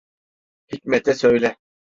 Hikmet'e söyle.